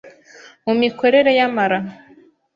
mu mikorere y’amara.